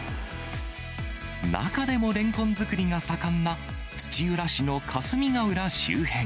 中でも、レンコン作りが盛んな土浦市の霞ヶ浦周辺。